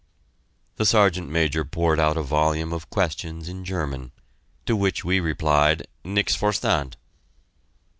The Sergeant Major poured out a volume of questions in German, to which we replied, "Nix forstand."